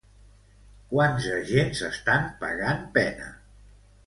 Quants agents estan pagant pena?